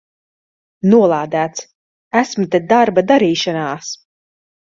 Nolādēts! Esmu te darba darīšanās!